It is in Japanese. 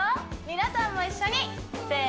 皆さんも一緒にせー